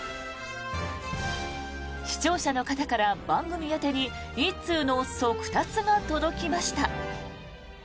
視聴者の方から番組宛てに１通の速達が届きました。